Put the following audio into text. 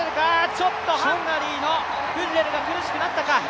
ちょっとハンガリーのフッレルが苦しくなったか。